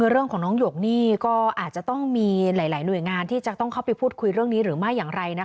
เรื่องของน้องหยกนี่ก็อาจจะต้องมีหลายหน่วยงานที่จะต้องเข้าไปพูดคุยเรื่องนี้หรือไม่อย่างไรนะคะ